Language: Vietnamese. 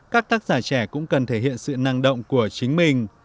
các tác giả trẻ cũng cần thể hiện sự năng động của chính mình